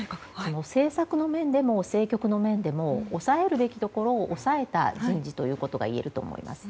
政策の面でも政局の面でも抑えるべきところを抑えた人事といえると思います。